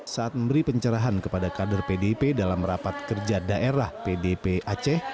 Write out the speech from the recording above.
saat memberi pencerahan kepada kader pdip dalam rapat kerja daerah pdp aceh